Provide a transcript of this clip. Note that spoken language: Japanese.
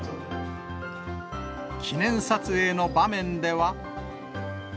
記念撮影の場面では。